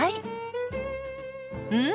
うん！